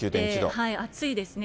暑いですね。